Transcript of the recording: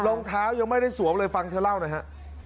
รองเท้ายังไม่ได้สวมเลยฟังเธอเล่าหน่อยฮะ